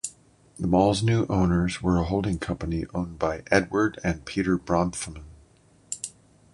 The mall's new owners were a holding company owned by Edward and Peter Bronfman.